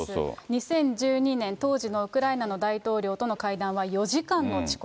２０１２年、当時のウクライナの大統領との会談は４時間の遅刻。